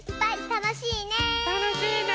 たのしいね！